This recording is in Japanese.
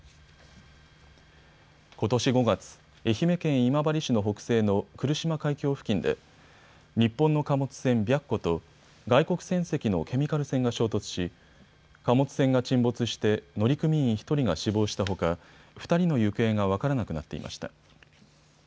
ことし５月、愛媛県今治市の北西の来島海峡付近で日本の貨物船白虎と外国船籍のケミカル船が衝突し貨物船が沈没して乗組員１人が死亡したほか２人の行方が分からなくなっていました。